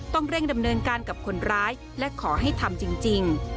ต้องเร่งดำเนินการกับคนร้ายและขอให้ทำจริง